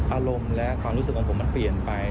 อารมณ์และความรู้สึกของผมมันเปลี่ยนไป